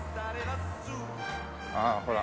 ああほら